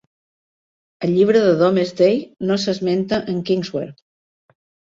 Al llibre de Domesday no s'esmenta en Kingswear.